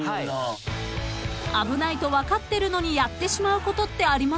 ［危ないと分かってるのにやってしまうことってありますか？］